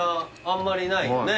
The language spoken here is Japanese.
あんまりないよね。